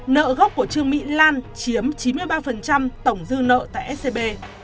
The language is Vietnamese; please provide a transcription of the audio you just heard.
nợ gốc của trương mỹ lan chiếm chín mươi ba tổng dư nợ tại scb